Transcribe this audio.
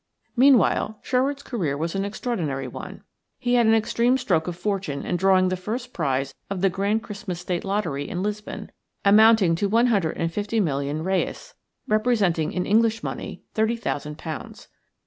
Meanwhile Sherwood's career was an extraordinary one. He had an extreme stroke of fortune in drawing the first prize of the Grand Christmas State Lottery in Lisbon, amounting to one hundred and fifty million reis, representing in English money thirty thousand pounds.